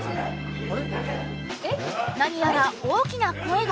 何やら大きな声が。